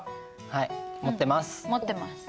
はい持ってます。